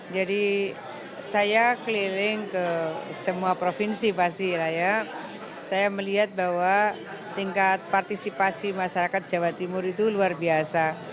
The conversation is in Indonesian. jadi saya keliling ke semua provinsi pasti ya saya melihat bahwa tingkat partisipasi masyarakat jawa timur itu luar biasa